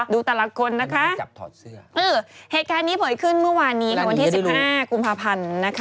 ดูแต่ละคนนะคะเหตุการณ์นี้เผยขึ้นเมื่อวานนี้วันที่๑๕กุมภาพันธ์นะคะ